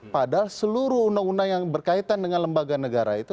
padahal seluruh undang undang yang berkaitan dengan lembaga negara itu